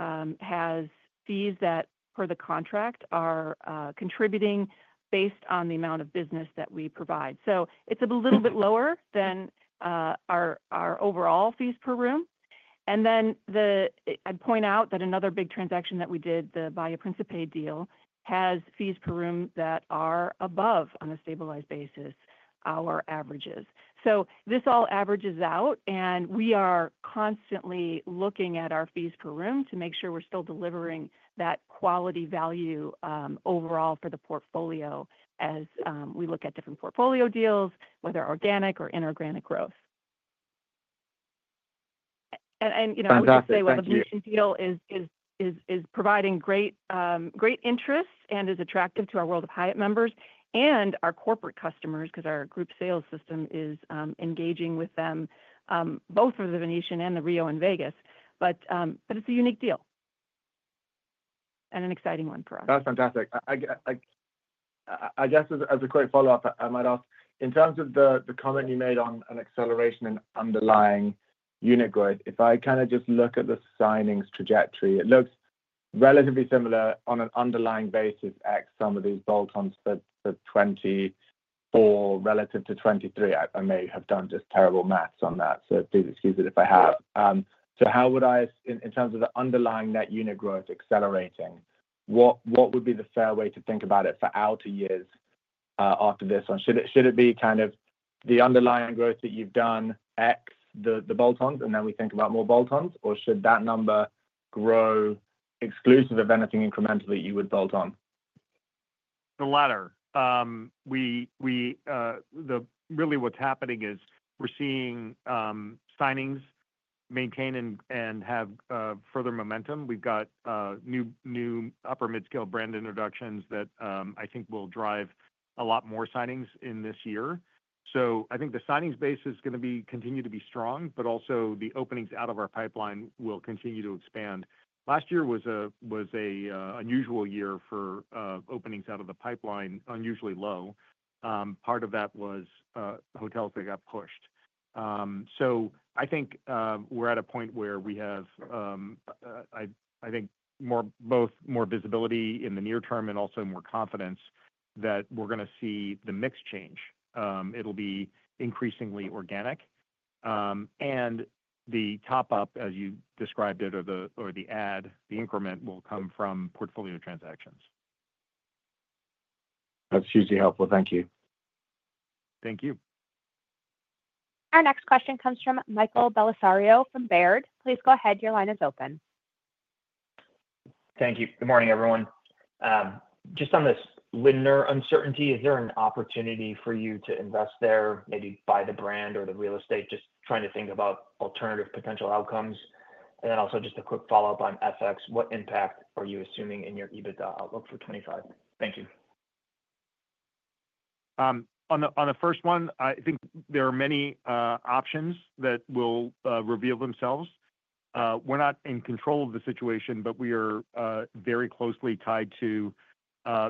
has fees that, per the contract, are contributing based on the amount of business that we provide. It's a little bit lower than our overall fees per room. And then I'd point out that another big transaction that we did, the Bahía Príncipe deal, has fees per room that are above on a stabilized basis our averages. This all averages out, and we are constantly looking at our fees per room to make sure we're still delivering that quality value overall for the portfolio as we look at different portfolio deals, whether organic or inorganic growth. And I would just say, well, the Venetian deal is providing great interest and is attractive to our World of Hyatt members and our corporate customers because our group sales system is engaging with them, both for the Venetian and the Rio and Vegas. But it's a unique deal and an exciting one for us. That's fantastic. I guess as a quick follow-up, I might ask, in terms of the comment you made on an acceleration in underlying unit growth, if I kind of just look at the signings trajectory, it looks relatively similar on an underlying basis at some of these bolt-ons for 2024 relative to 2023. I may have done just terrible math on that, so please excuse it if I have. So how would I, in terms of the underlying net unit growth accelerating, what would be the fair way to think about it for outer years after this one? Should it be kind of the underlying growth that you've done at the bolt-ons, and then we think about more bolt-ons, or should that number grow exclusive of anything incremental that you would bolt on? The latter. Really, what's happening is we're seeing signings maintain and have further momentum. We've got new upper-mid-scale brand introductions that I think will drive a lot more signings in this year. So I think the signings base is going to continue to be strong, but also the openings out of our pipeline will continue to expand. Last year was an unusual year for openings out of the pipeline, unusually low. Part of that was hotels that got pushed. So I think we're at a point where we have, I think, both more visibility in the near term and also more confidence that we're going to see the mix change. It'll be increasingly organic. And the top-up, as you described it, or the add, the increment will come from portfolio transactions. That's hugely helpful. Thank you. Thank you. Our next question comes from Michael Bellisario from Baird. Please go ahead. Your line is open. Thank you. Good morning, everyone. Just on this Lindner uncertainty, is there an opportunity for you to invest there, maybe buy the brand or the real estate, just trying to think about alternative potential outcomes? And then also just a quick follow-up on FX. What impact are you assuming in your EBITDA outlook for 2025? Thank you. On the first one, I think there are many options that will reveal themselves. We're not in control of the situation, but we are very closely tied to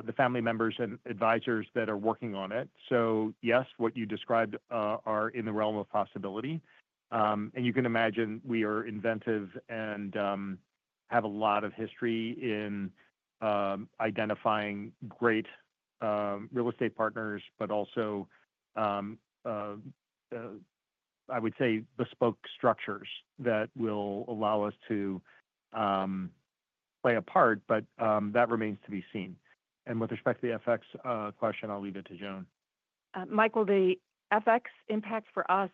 the family members and advisors that are working on it. So yes, what you described are in the realm of possibility. And you can imagine we are inventive and have a lot of history in identifying great real estate partners, but also, I would say, bespoke structures that will allow us to play a part, but that remains to be seen. And with respect to the FX question, I'll leave it to Joan Bottarini. Michael Bellisario, the FX impact for us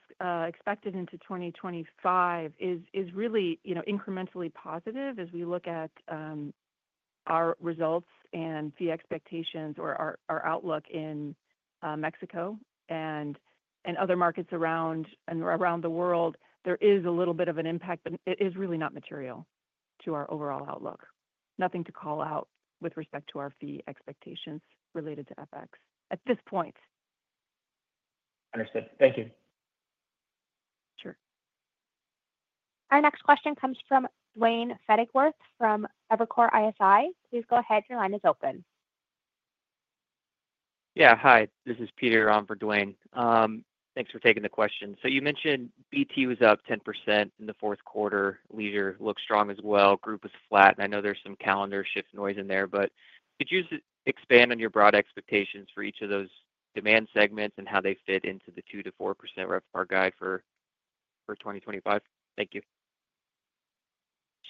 expected into 2025 is really incrementally positive as we look at our results and fee expectations or our outlook in Mexico and other markets around the world. There is a little bit of an impact, but it is really not material to our overall outlook. Nothing to call out with respect to our fee expectations related to FX at this point. Understood. Thank you. Sure. Our next question comes from Duane Pfennigwerth from Evercore ISI. Please go ahead. Your line is open. Yeah. Hi. This is Peter McCloskey on for Duane Pfennigwerth. Thanks for taking the question. So you mentioned BT was up 10% in the Q4. Leisure looks strong as well. Group is flat. And I know there's some calendar shift noise in there, but could you expand on your broad expectations for each of those demand segments and how they fit into the 2%-4% RevPAR guide for 2025? Thank you.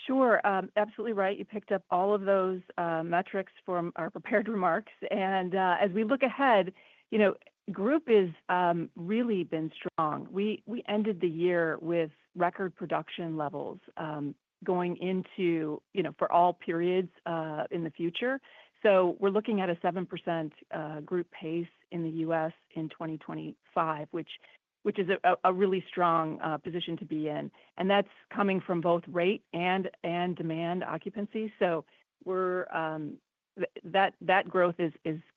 Sure. Absolutely right. You picked up all of those metrics from our prepared remarks. And as we look ahead, group has really been strong. We ended the year with record production levels going into for all periods in the future. So we're looking at a 7% group pace in the U.S. in 2025, which is a really strong position to be in. And that's coming from both rate and demand occupancy. So that growth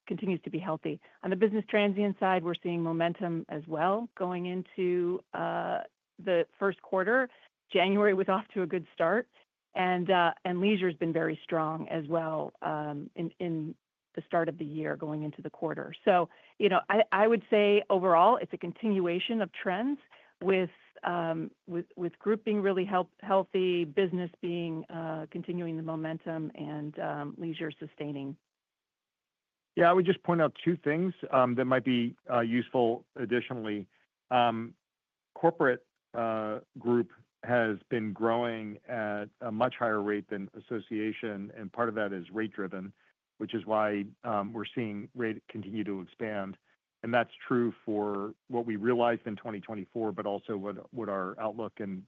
continues to be healthy. On the business transient side, we're seeing momentum as well going into the Q1. January was off to a good start. And leisure has been very strong as well in the start of the year going into the quarter. So I would say overall, it's a continuation of trends with group being really healthy, business continuing the momentum, and leisure sustaining. Yeah. I would just point out two things that might be useful additionally. Corporate group has been growing at a much higher rate than association. And part of that is rate-driven, which is why we're seeing rate continue to expand. That's true for what we realized in 2024, but also what our outlook and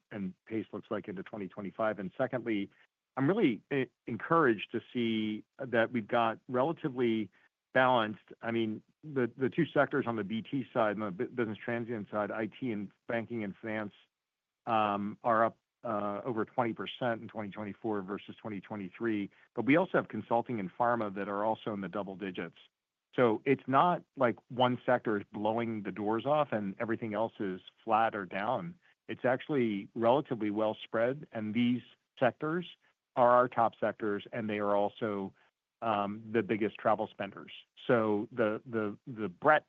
pace looks like into 2025. And secondly, I'm really encouraged to see that we've got relatively balanced. I mean, the two sectors on the BT side and the business transient side, IT and banking and finance, are up over 20% in 2024 versus 2023. But we also have consulting and pharma that are also in the double digits. So it's not like one sector is blowing the doors off and everything else is flat or down. It's actually relatively well spread. And these sectors are our top sectors, and they are also the biggest travel spenders. So the breadth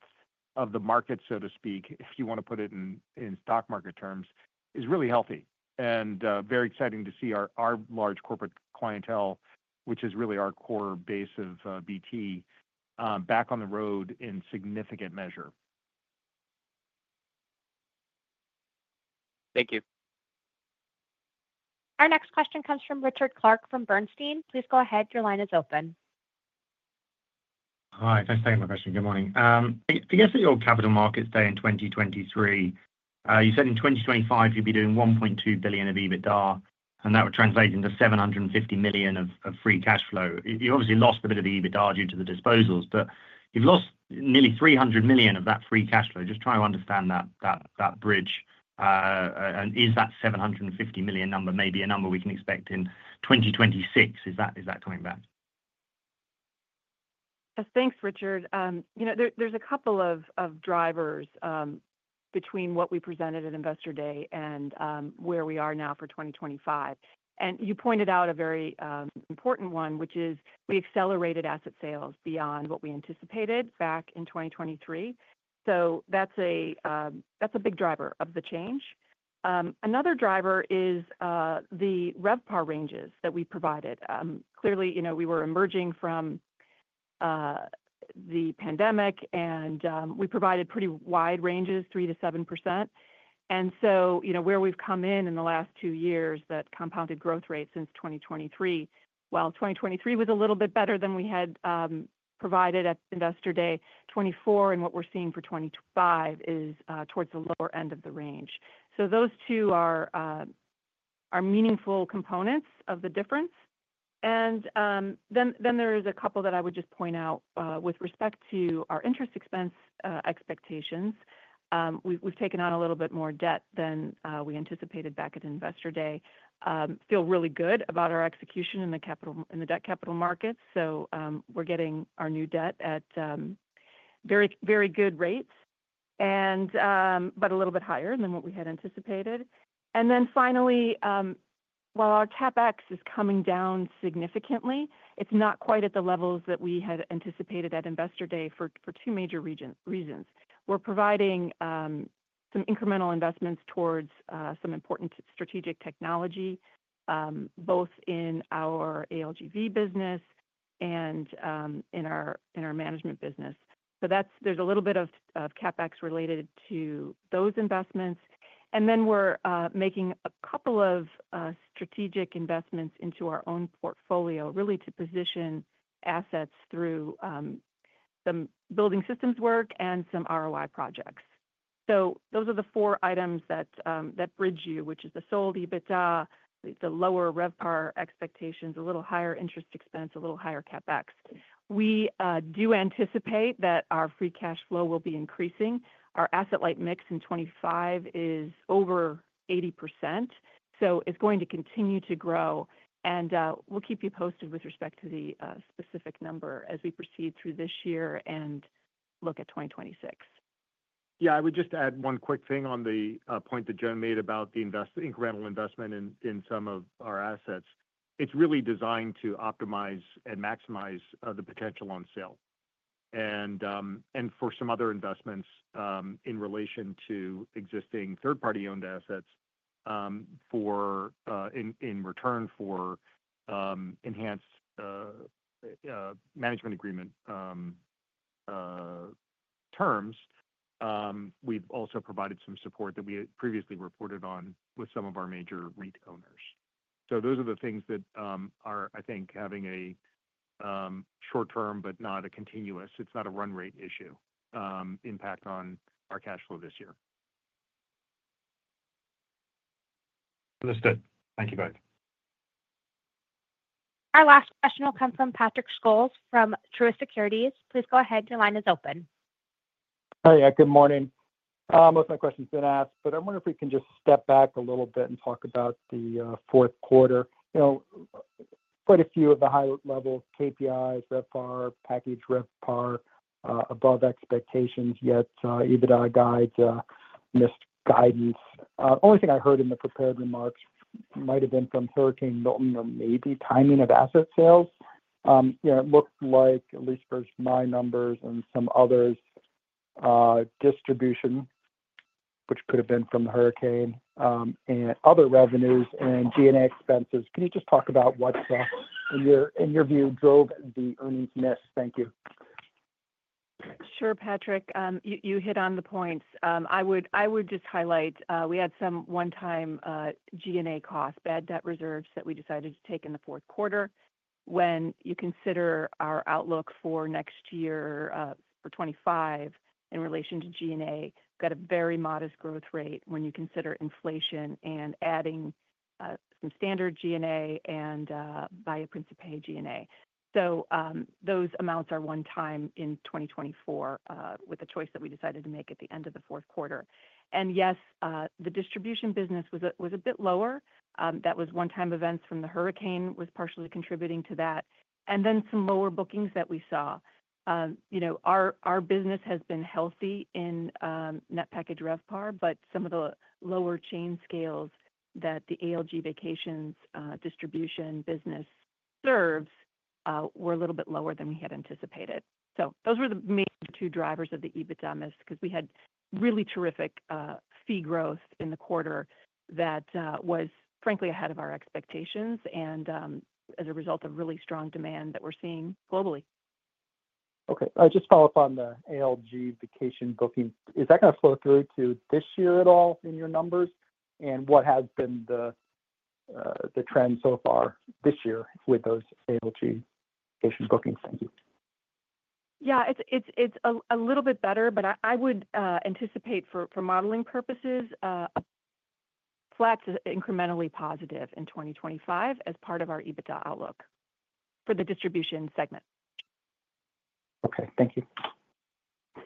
of the market, so to speak, if you want to put it in stock market terms, is really healthy. Very exciting to see our large corporate clientele, which is really our core base of BT, back on the road in significant measure. Thank you. Our next question comes from Richard Clarke from Bernstein. Please go ahead. Your line is open. Hi. Thanks for taking my question. Good morning. I guess at your capital markets day in 2023, you said in 2025, you'd be doing $1.2 billion of EBITDA, and that would translate into $750 million of free cash flow. You obviously lost a bit of the EBITDA due to the disposals, but you've lost nearly $300 million of that free cash flow. Just trying to understand that bridge. Is that $750 million number maybe a number we can expect in 2026? Is that coming back? Thanks, Richard Clarke. There's a couple of drivers between what we presented at Investor Day and where we are now for 2025. You pointed out a very important one, which is we accelerated asset sales beyond what we anticipated back in 2023. So that's a big driver of the change. Another driver is the RevPAR ranges that we provided. Clearly, we were emerging from the pandemic, and we provided pretty wide ranges, 3%-7%. And so where we've come in in the last two years, that compounded growth rate since 2023, well, 2023 was a little bit better than we had provided at Investor Day 2024, and what we're seeing for 2025 is towards the lower end of the range. So those two are meaningful components of the difference. And then there is a couple that I would just point out with respect to our interest expense expectations. We've taken on a little bit more debt than we anticipated back at Investor Day. Feel really good about our execution in the debt capital markets. So we're getting our new debt at very good rates, but a little bit higher than what we had anticipated. And then finally, while our CapEx is coming down significantly, it's not quite at the levels that we had anticipated at Investor Day for two major reasons. We're providing some incremental investments towards some important strategic technology, both in our ALGV business and in our management business. So there's a little bit of CapEx related to those investments. And then we're making a couple of strategic investments into our own portfolio, really to position assets through some building systems work and some ROI projects. So those are the four items that bridge you, which is the sold EBITDA, the lower RevPAR expectations, a little higher interest expense, a little higher CapEx. We do anticipate that our free cash flow will be increasing. Our asset-light mix in 2025 is over 80%. So it's going to continue to grow. And we'll keep you posted with respect to the specific number as we proceed through this year and look at 2026. Yeah. I would just add one quick thing on the point that Joan Bottarini made about the incremental investment in some of our assets. It's really designed to optimize and maximize the potential on sale. And for some other investments in relation to existing third-party-owned assets in return for enhanced management agreement terms, we've also provided some support that we had previously reported on with some of our major retailers. So those are the things that are, I think, having a short-term, but not a continuous - it's not a run rate issue - impact on our cash flow this year. Understood. Thank you both. Our last question will come from Patrick Scholes from Truist Securities. Please go ahead. Your line is open. Hi. Good morning. Most of my questions have been asked, but I wonder if we can just step back a little bit and talk about the Q4. Quite a few of the high-level KPIs, RevPAR, package RevPAR, above expectations, yet EBITDA guidance missed. The only thing I heard in the prepared remarks might have been from Hurricane Milton or maybe timing of asset sales. It looked like, at least for my numbers and some others, distribution, which could have been from the hurricane, and other revenues and G&A expenses. Can you just talk about what, in your view, drove the earnings miss? Thank you. Sure, Patrick Scholes. You hit on the points. I would just highlight we had some one-time G&A costs, bad debt reserves that we decided to take in the Q4. When you consider our outlook for next year, for 2025, in relation to G&A, got a very modest growth rate when you consider inflation and adding some standard G&A and buy-up principally G&A. So those amounts are one-time in 2024 with the choice that we decided to make at the end of the Q4. And yes, the distribution business was a bit lower. That was one-time events from the hurricane was partially contributing to that. And then some lower bookings that we saw. Our business has been healthy in net package RevPAR, but some of the lower chain scales that the ALG Vacations distribution business serves were a little bit lower than we had anticipated. So, those were the main two drivers of the EBITDA miss because we had really terrific fee growth in the quarter that was, frankly, ahead of our expectations and as a result of really strong demand that we're seeing globally. Okay. Just follow up on the ALG Vacations booking. Is that going to flow through to this year at all in your numbers? And what has been the trend so far this year with those ALG Vacations bookings? Thank you. Yeah. It's a little bit better, but I would anticipate for modeling purposes, flat to incrementally positive in 2025 as part of our EBITDA outlook for the distribution segment. Okay. Thank you.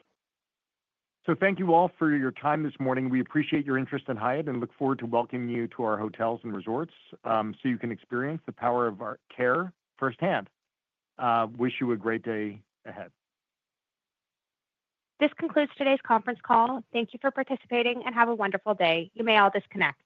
So, thank you all for your time this morning. We appreciate your interest in Hyatt and look forward to welcoming you to our hotels and resorts so you can experience the power of our care firsthand. Wish you a great day ahead. This concludes today's conference call. Thank you for participating and have a wonderful day. You may all disconnect.